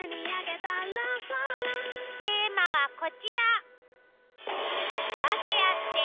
テーマはこちら。